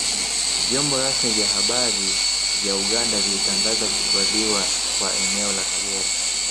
Vyombo rasmi vya habari vya Uganda vilitangaza kutwaliwa kwa eneo la Kagera